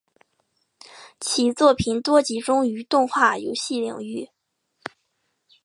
其作品多集中于动画游戏领域。